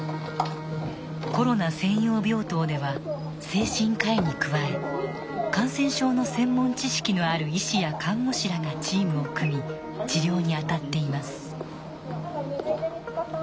コロナ専用病棟では精神科医に加え感染症の専門知識のある医師や看護師らがチームを組み治療にあたっています。